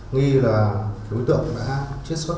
nghi là đối tượng đã triết xuất